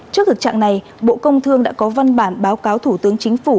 trước thực trạng này bộ công thương đã có văn bản báo cáo thủ tướng chính phủ